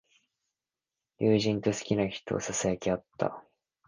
友人と好きな人をささやき合った。